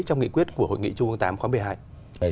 trong nghị quyết của hội nghị trung ương viii khóa một mươi hai